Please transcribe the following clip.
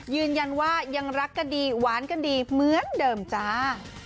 ยืนยันว่ายังรักกันดีหวานกันดีเหมือนเดิมจ้า